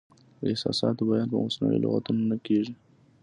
د احساساتو بیان په مصنوعي لغتونو نه کیږي.